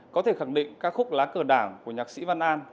có thể khẳng định ca khúc lá cờ đảng của nhạc sĩ văn an